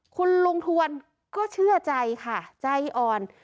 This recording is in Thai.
คุณลุงทวนก็เชื่อใจค่ะใจอ่อน